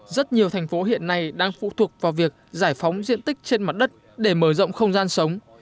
rất nhiều thành phố hiện nay đang phụ thuộc vào việc giải phóng diện tích trên mặt đất để mở rộng không gian sống